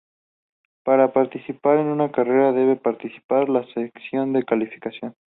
Para participar en una carrera, debe participar en la sesión de calificación.